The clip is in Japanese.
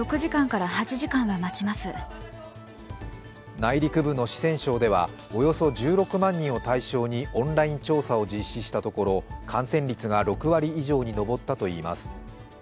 内陸部の四川省ではおよそ１６万人を対象にオンライン調査を実施したところ感染率が６割以上に上ったといいます。